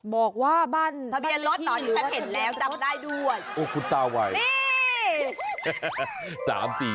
บอกว่าบ้านทะเบียนรถตอนนี้ฉันเห็นแล้วจำได้ด้วย